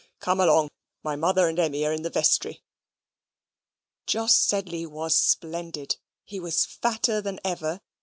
Come along, my mother and Emmy are in the vestry." Jos Sedley was splendid. He was fatter than ever.